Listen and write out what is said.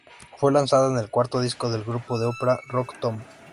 Fue lanzada en el cuarto disco del grupo, la ópera rock "Tommy".